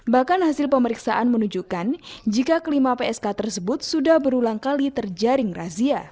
bahkan hasil pemeriksaan menunjukkan jika kelima psk tersebut sudah berulang kali terjaring razia